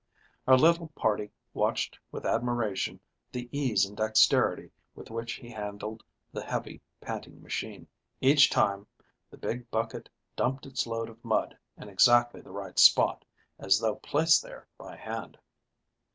Our little party watched with admiration the ease and dexterity with which he handled the heavy, panting machine. Each time the big bucket dumped its load of mud in exactly the right spot, as though placed there by hand.